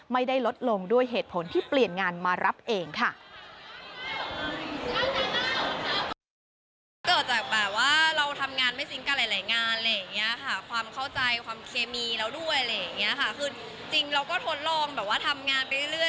ไม่ได้ลดลงด้วยเหตุผลที่เปลี่ยนงานมารับเองค่ะ